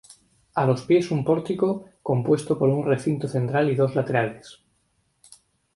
A los pies un pórtico, compuesto por un recinto central y dos laterales.